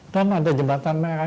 dan ada jembatan merah